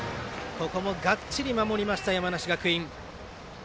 ここもがっちり守りました山梨学院。